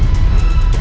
tidak ada hubungan